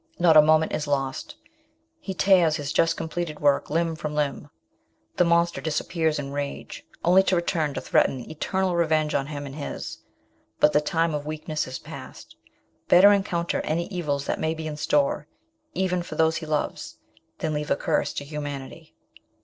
Not a moment is lost, lie tears his just completed work limb trom limb. The monster disappears in rage, only to return to threaten eternal revenge on him and his ; but the time of weak ness is passed ; better encounter any evils that may be in store, even for those he loves, than leave a curse to humanity.